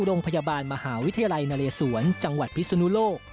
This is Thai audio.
โรงพยาบาลมหาวิทยาลัยนเลสวนจังหวัดพิศนุโลก